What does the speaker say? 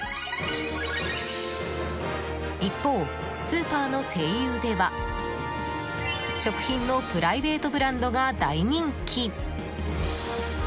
一方、スーパーの西友では食品のプライベートブランドが大人気！